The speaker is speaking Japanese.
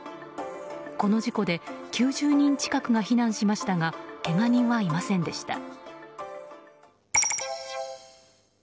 この事故で９０人近くが避難しましたがけが人はいませんでした。